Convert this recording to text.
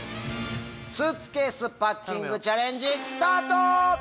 スーツケースパッキングチャレンジ。